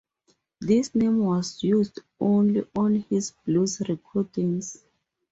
This name was used only on his blues recordings.